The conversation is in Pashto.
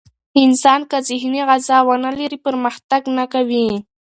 انسان که ذهني غذا ونه لري، پرمختګ نه کوي.